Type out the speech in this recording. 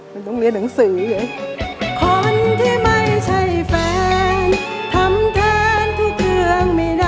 มันต้องเรียนหนังสือ